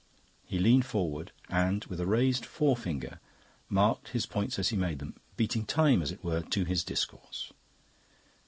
He leaned forward, and with a raised forefinger marked his points as he made them, beating time, as it were, to his discourse.